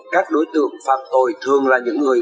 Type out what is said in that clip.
các đối tượng phạm tội thường là những người